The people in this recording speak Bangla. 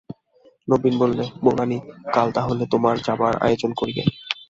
নবীন বললে, বউরানী, কাল তা হলে তোমার যাবার আয়োজন করি গে।